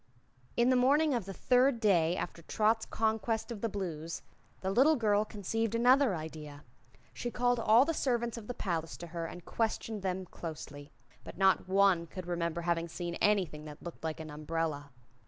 In the morning of the third day after Trot's conquest of the Blues the little girl conceived another idea. She called all the servants of the palace to her and questioned them closely. But not one could remember having seen anything that looked like an umbrella.